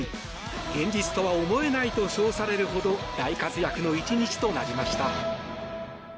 現実とは思えないと称されるほど大活躍の１日となりました。